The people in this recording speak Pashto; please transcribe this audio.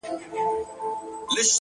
ه بيا دي سترگي سرې ښكاريږي;